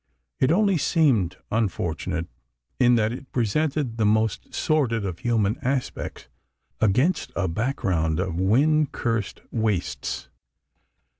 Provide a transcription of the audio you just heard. It only seemed unfortunate in that it presented the most sordid of human aspects against a background of wind cursed wastes.